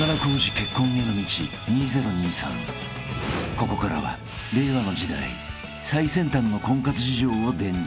［ここからは令和の時代最先端の婚活事情を伝授］